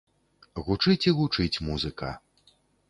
Гучыць і гучыць музыка.